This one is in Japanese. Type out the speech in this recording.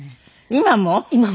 今も？